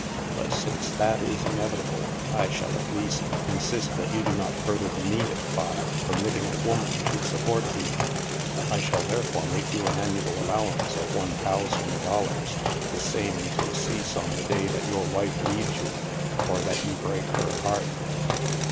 But since that is inevitable, I shall at least insist that you do not further demean it by permitting a woman to support you. I shall therefore make you an annual allowance of one thousand dollars ($i,ooo), the same to cease on the day that your wife leaves you, or that you break her heart.